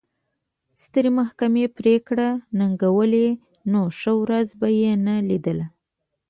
سترې محکمې پرېکړې ننګولې نو ښه ورځ به یې نه لیدله.